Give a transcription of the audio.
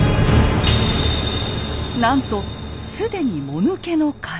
なんと既にもぬけの殻。